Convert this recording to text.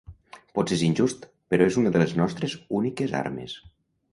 Potser és injust, però és una de les nostres úniques armes.